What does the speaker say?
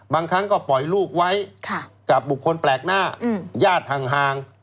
บางครั้งก็ปล่อยลูกไว้กับบุคคลแปลกหน้าญาติห่าง